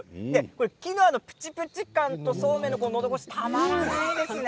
キヌアのぷちぷち感とそうめんののどごしたまらないですね。